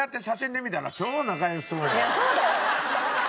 いやそうだよ。